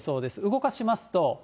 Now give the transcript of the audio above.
動かしますと。